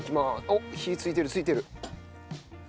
おっ火ついてるついてる。